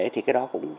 thí dụ bất hợp tác bỏ đi